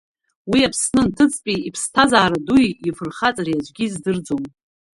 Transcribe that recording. Уи Аԥсны анҭыҵтәи иԥсҭазаара дуи ифырхаҵареи аӡәгьы издырӡом.